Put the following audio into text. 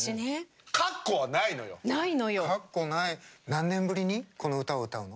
何年ぶりにこの歌を歌うの？